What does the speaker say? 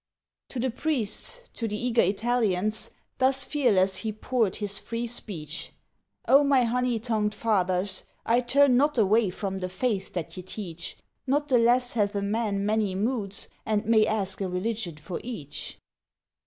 To the priests, to the eager Italians, thus fearless less he poured his free speech; "O my honey tongued fathers, I turn not away from the faith that ye teach! Not the less hath a man many moods, and may ask a religion for each.